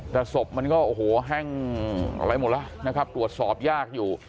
แต่ศพมันก็โอ้โหแห้งอะไรหมดแล้วนะครับตรวจสอบยากอยู่